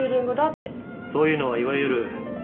そういうのはいわゆる。